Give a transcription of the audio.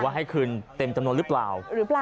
ให้คืนเต็มจำนวนหรือเปล่า